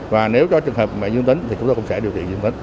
và nếu có trường hợp mẹ dương tính thì chúng tôi cũng sẽ điều trị dương tính